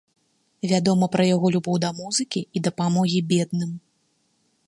Вядома пра яго любоў да музыкі і дапамогі бедным.